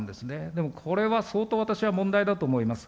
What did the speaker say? でもこれは相当私は問題だと思います。